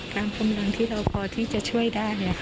การพรรณที่เราพอว่าจะช่วยได้